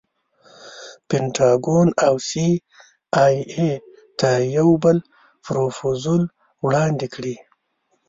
پنټاګون او سي ای اې ته یو بل پروفوزل وړاندې کړي.